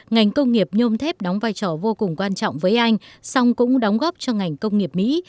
ngành công nghiệp nhôm thép đóng vai trò vô cùng quan trọng với anh song cũng đóng góp cho ngành công nghiệp mỹ